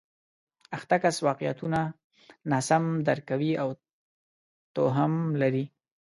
اخته کس واقعیتونه ناسم درک کوي او توهم لري